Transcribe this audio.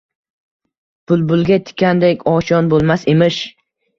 Bulbulga tikandek oshiyon bo‘lmas emish“.